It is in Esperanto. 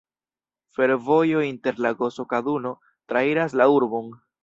Fervojo inter Lagoso-Kaduno trairas la urbon.